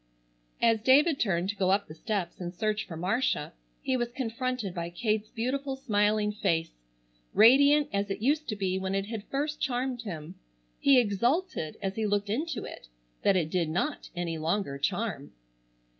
As David turned to go up the steps and search for Marcia he was confronted by Kate's beautiful, smiling face, radiant as it used to be when it had first charmed him. He exulted, as he looked into it, that it did not any longer charm.